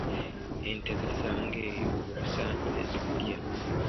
Ente zisanga eyo obusaanyi ne zibulya.